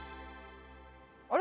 あれ？